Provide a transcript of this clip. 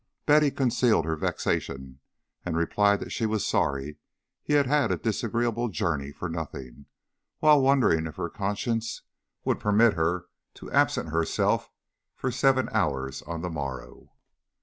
Betty concealed her vexation, and replied that she was sorry he had had a disagreeable journey for nothing, while wondering if her conscience would permit her to absent herself for seven hours on the morrow.